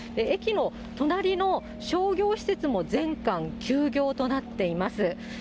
駅の隣の商業施設も全館休業となっています。